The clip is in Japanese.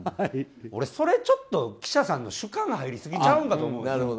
俺それちょっと記者さんの主観が入りすぎちゃうんかと思うんです。